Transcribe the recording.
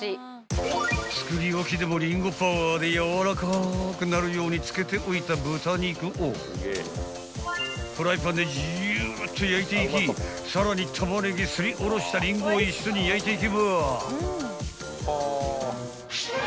［作り置きでもリンゴパワーでやわらかくなるように漬けておいた豚肉をフライパンでジューッと焼いていきさらにタマネギすりおろしたリンゴを一緒に焼いていけば］